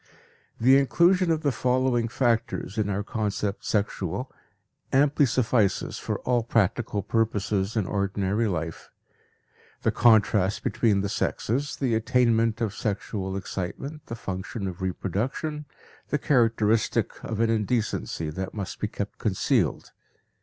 The inclusion of the following factors in our concept "sexual" amply suffices for all practical purposes in ordinary life: the contrast between the sexes, the attainment of sexual excitement, the function of reproduction, the characteristic of an indecency that must be kept concealed.